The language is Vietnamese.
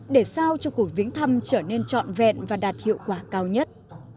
để sao cho cuộc viếng thăm trở nên trọn vẹn và đạt hiệu quả cao nhất